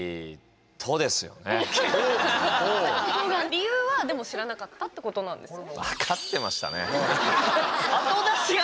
理由は、でも知らなかったってことなんですね。